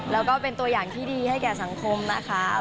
แล้วก็เป็นตัวอย่างที่ดีให้แก่สังคมนะคะ